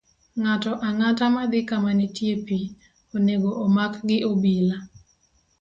Ng'ato ang'ata madhi kama nitie pi, onego omak gi obila.